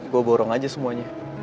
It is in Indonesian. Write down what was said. gue borong aja semuanya